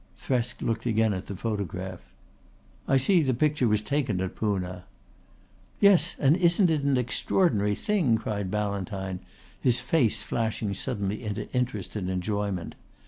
Thresk looked again at the photograph. "I see the picture was taken at Poona." "Yes, and isn't it an extraordinary thing!" cried Ballantyne, his face flashing suddenly into interest and enjoyment.